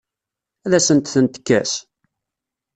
Ad asent-ten-tekkes?